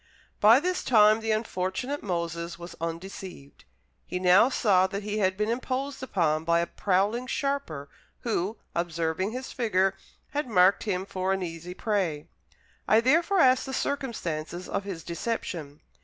By this time the unfortunate Moses was undeceived. He now saw that he had been imposed upon by a prowling sharper, who, observing his figure, had marked him for an easy prey. I therefore asked the circumstances of his deception.